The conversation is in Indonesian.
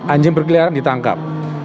anjing berkeliaran ditangkap